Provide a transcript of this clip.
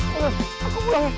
beb aku mulai